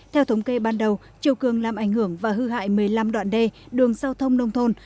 theo thống kê ban đầu chiều cường làm ảnh hưởng và hư hại một mươi năm đoạn đê đường giao thông nông thôn